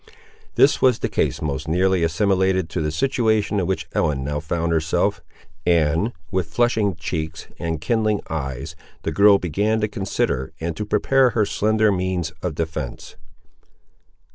This was the case most nearly assimilated to the situation in which Ellen now found herself; and, with flushing cheeks and kindling eyes, the girl began to consider, and to prepare her slender means of defence.